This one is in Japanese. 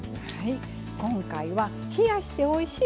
今回は「冷やしておいしい！